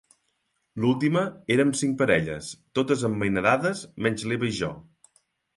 L'última érem cinc parelles, totes emmainadades menys l'Eva i jo.